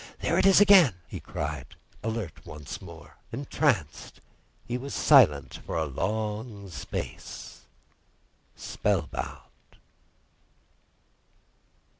There it is again!" he cried, alert once more. Entranced, he was silent for a long space, spellbound.